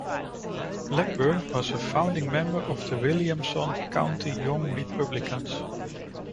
Blackburn was a founding member of the Williamson County Young Republicans.